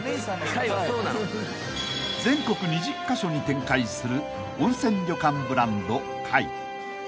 ［全国２０カ所に展開する温泉旅館ブランド界］